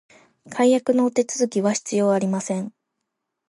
解約のお手続きは必要ありません